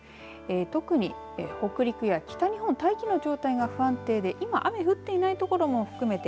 特に北陸や北日本大気の状態が不安定で今、雨が降っていない所も含めて